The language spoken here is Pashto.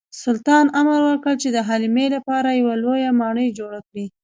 سلطان امر وکړ چې د حلیمې لپاره یوه لویه ماڼۍ جوړه کړي.